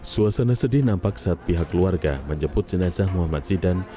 suasana sedih nampak saat pihak keluarga menjemput jenazah muhammad zidan